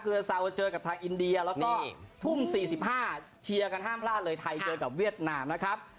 เรือเซาเจอกับทางอินเดียแล้วก็ทุ่ม๔๕เชียร์กันห้ามพลาดเลยไทยเจอกับเวียดนามนะครับ